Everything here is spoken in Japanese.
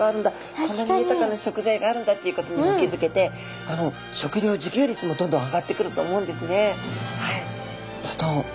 こんなに豊かな食材があるんだっていうことにも気付けて食料自給率もどんどん上がってくると思うんですね。